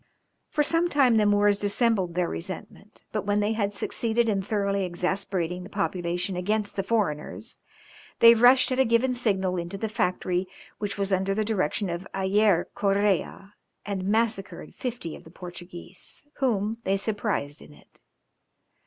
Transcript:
For some time the Moors dissembled their resentment, but when they had succeeded in thoroughly exasperating the population against the foreigners, they rushed at a given signal into the factory which was under the direction of Ayrès Correa, and massacred fifty of the Portuguese, whom they surprised in it.